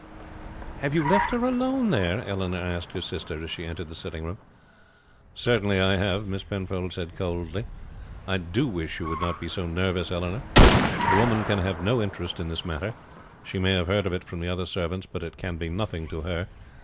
"Have you left her alone there?" Eleanor asked her sister as she entered the sitting room. "Certainly I have," Miss Penfold said coldly. "I do wish you would not be so nervous, Eleanor. The woman can have no interest in this matter. She may have heard of it from the other servants, but it can be nothing to her.